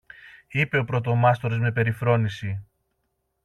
είπε ο πρωτομάστορης με περιφρόνηση.